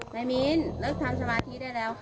นายมิ้นเลิกทำสมาธิได้แล้ว